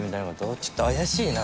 ちょっと怪しいな。